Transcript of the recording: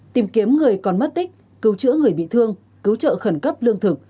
tìm kiếm người còn mất tích cứu chữa người bị thương cứu trợ khẩn cấp lương thực